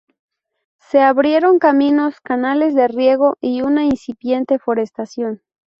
Se abrieron caminos, canales de riego y una incipiente forestación.